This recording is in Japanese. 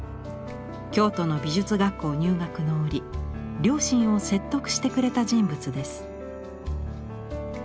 京都の美術学校入学の折両親を説得してくれた人物です。